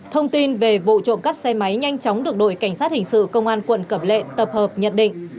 thông tin về vụ trộm cắp xe máy nhanh chóng được đội cảnh sát hình sự công an quận cẩm lệ tập hợp nhận định